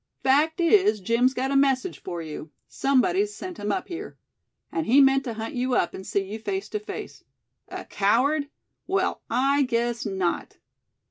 Fact is, Jim's got a message for you; somebody's sent him up here! And he meant to hunt you up, and see you face to face. A coward! Well, I guess not."